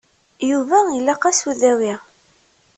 Yuba ilaq-as udawi.